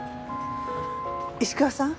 石川さん